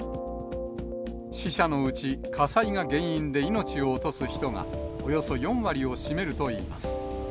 死者のうち火災が原因で命を落とす人がおよそ４割を占めるといいます。